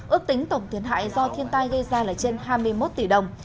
ước tính tổng thiệt hại do thiên tai gây ra là trên hai mươi một tỷ đồng